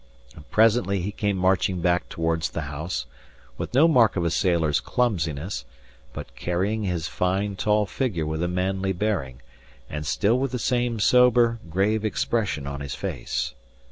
And presently he came marching back towards the house, with no mark of a sailor's clumsiness, but carrying his fine, tall figure with a manly bearing, and still with the same sober, grave expression on his face.